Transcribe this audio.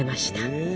へえ！